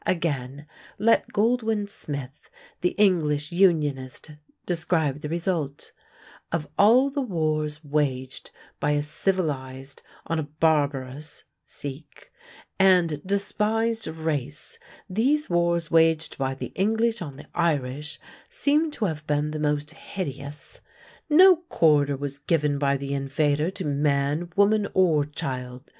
Again let Goldwin Smith, the English Unionist, describe the result: "Of all the wars waged by a civilized on a barbarous and despised race these wars waged by the English on the Irish seem to have been the most hideous. No quarter was given by the invader to man, woman, or child.